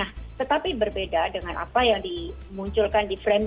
nah tetapi berbeda dengan apa yang dimunculkan di frame